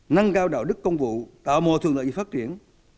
năng cao đạo đức công vụ tạo mô thường lợi và phát triển